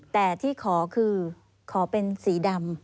แต่ที่ขอคือขอเป็นสีดำ